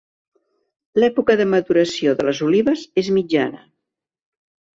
L'època de maduració de les olives és mitjana.